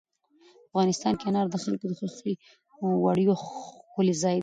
افغانستان کې انار د خلکو د خوښې وړ یو ښکلی ځای دی.